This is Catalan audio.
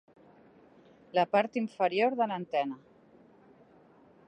La part inferior de l'antena.